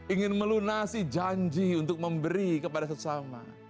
ingin melunasi janji untuk memberi kepada sesama